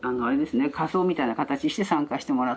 仮装みたいな形して参加してもらって。